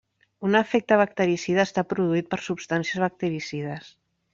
Un efecte bactericida està produït per substàncies bactericides.